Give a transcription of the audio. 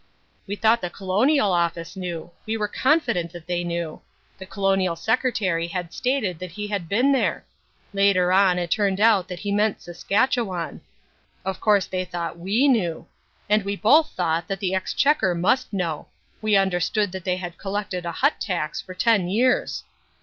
"We thought the Colonial Office knew. We were confident that they knew. The Colonial Secretary had stated that he had been there. Later on it turned out that he meant Saskatchewan. Of course they thought we knew. And we both thought that the Exchequer must know. We understood that they had collected a hut tax for ten years."